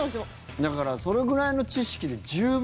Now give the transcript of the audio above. だからそのくらいの知識で十分。